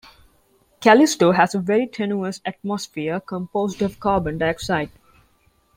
Callisto has a very tenuous atmosphere composed of carbon dioxide.